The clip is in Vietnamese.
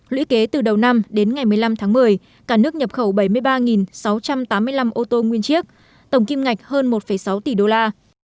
lũy kế từ đầu năm đến ngày một mươi năm tháng một mươi cả nước nhập khẩu bảy mươi ba sáu trăm tám mươi năm ô tô nguyên chiếc tổng kim ngạch hơn một sáu tỷ đô la